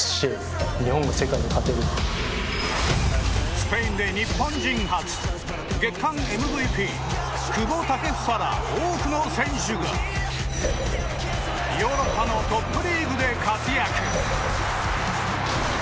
スペインで日本人初月間ＭＶＰ久保建英ら多くの選手がヨーロッパのトップリーグで活躍。